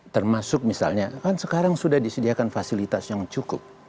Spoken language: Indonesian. termasuk misalnya kan sekarang sudah disediakan fasilitas yang cukup